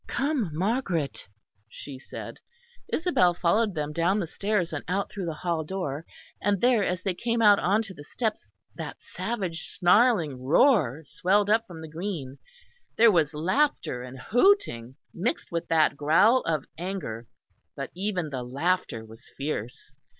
"Come, Margaret," she said. Isabel followed them down the stairs and out through the hall door; and there, as they came out on to the steps that savage snarling roar swelled up from the green. There was laughter and hooting mixed with that growl of anger; but even the laughter was fierce.